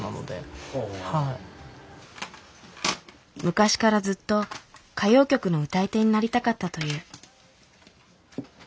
昔からずっと歌謡曲の歌い手になりたかったという。